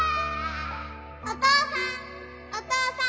お父さん。